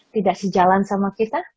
tidak sejalan sama kita